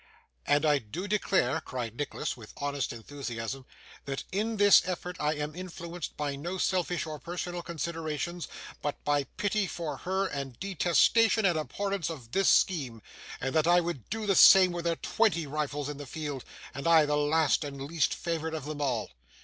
'And I do declare,' cried Nicholas, with honest enthusiasm, 'that in this effort I am influenced by no selfish or personal considerations, but by pity for her, and detestation and abhorrence of this scheme; and that I would do the same, were there twenty rivals in the field, and I the last and least favoured of them all.